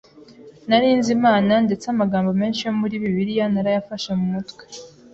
Nari nzi Imana, ndetse amagambo menshi yo muri Bibiliya narayafashe mu mutwe.